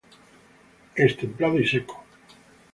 Es templado y seco.